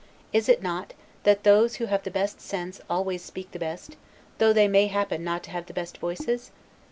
Is it not, that those who have the best sense, always speak the best, though they may happen not to have the best voices?